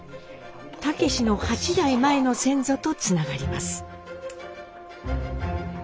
武司の８代前の先祖とつながります。